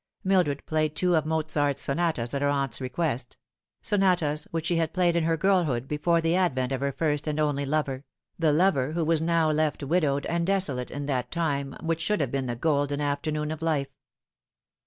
Mildred played two of Mozart's sonatas at her aunt's request sonatas which she had played in her girlhood before the advent of her first and only lover, the lover who was now left widowed and desolate in that time which should have been the golden afternoon of life.